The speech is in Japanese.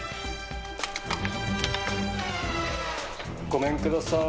ごめんください。